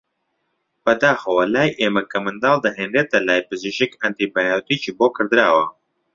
بەداخەوە لای ئێمە کە منداڵ دەهێنرێتە لای پزیشک ئەنتی بایۆتیکی بۆ کڕدراوە